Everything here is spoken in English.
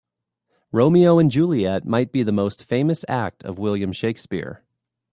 Romeo and Juliet might be the most famous act of William Shakespeare.